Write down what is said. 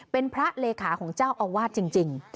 เป็นพระเลขาของเจ้าอาวาสจริง